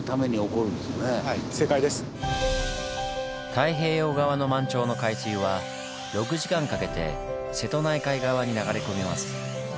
太平洋側の満潮の海水は６時間かけて瀬戸内海側に流れ込みます。